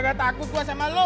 gak takut gue sama lo